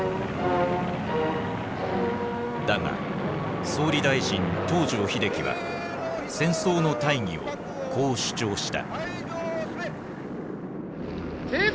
だが総理大臣東條英機は戦争の大義をこう主張した。